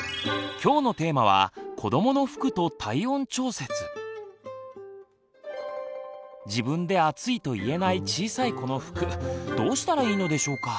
今日のテーマは自分で暑いと言えない小さい子の服どうしたらいいのでしょうか。